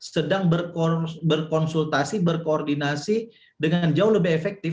sedang berkonsultasi berkoordinasi dengan jauh lebih efektif